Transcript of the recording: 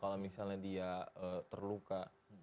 kalau misalnya dia terluka